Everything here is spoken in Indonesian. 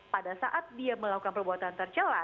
pada saat dia melakukan perbuatan tercelah